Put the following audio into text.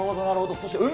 そして海。